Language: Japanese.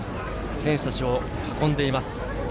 選手たちを囲んでいます。